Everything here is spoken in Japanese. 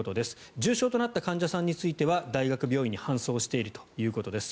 重症となった患者さんについては大学病院に搬送しているということです。